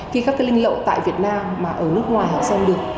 khi các cái link lậu tại việt nam mà ở nước ngoài họ xem được